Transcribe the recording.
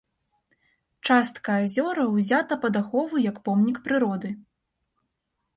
Частка азёраў узята пад ахову як помнік прыроды.